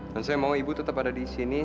dan saya mau ibu tetap ada di sini